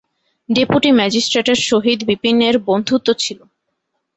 Deputy ম্যাজিস্ট্রেটের সহিত বিপিনের বন্ধুত্ব ছিল।